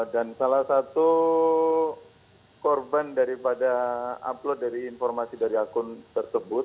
dan salah satu korban daripada upload dari informasi dari akun tersebut